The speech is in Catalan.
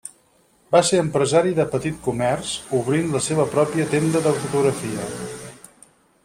Va ser empresari del petit comerç, obrint la seva pròpia tenda de fotografia.